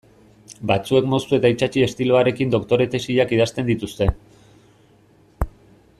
Batzuek moztu eta itsatsi estiloarekin doktore tesiak idazten dituzte.